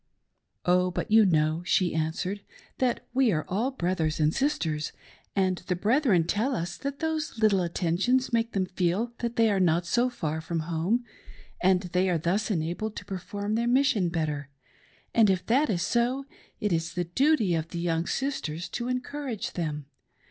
''" Oh, but you know," she answered, " that we are all brothers and sisters, and the brethren tell us that those little attentions make them feel that they are not so far from home, and they are thus enabled to perform their mission better; and if that is so, it is the duty of the young sisters to encourage them.